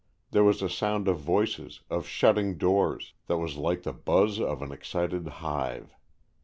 There was a sound of voices, of shutting doors, that was like the buzz of an excited hive.